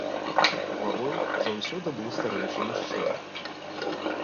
Главой заўсёды быў старэйшы мужчына.